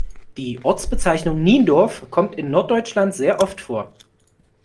Die Ortsbezeichnung Niendorf kommt in Norddeutschland sehr oft vor.